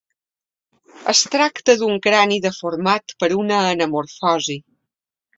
Es tracta d'un crani deformat per una anamorfosi.